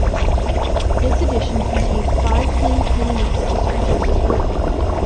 This edition contains five plain pen and ink illustrations as well.